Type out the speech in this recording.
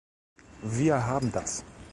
Wir haben das.